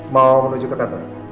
mau menuju ke kantor